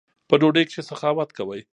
په ډوډۍ کښي سخاوت کوئ!